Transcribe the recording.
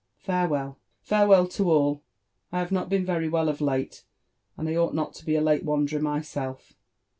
Farewell !— farewell to all ! I have not been Yery well of late, and ought not to be a kte wanderer myself.